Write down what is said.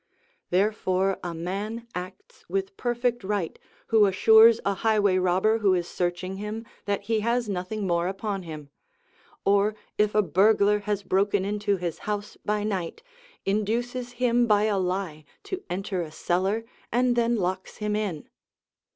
Therefore a man acts with perfect right who assures a highway robber who is searching him that he has nothing more upon him; or, if a burglar has broken into his house by night, induces him by a lie to enter a cellar and then locks him in.